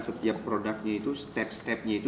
setiap produknya itu step stepnya itu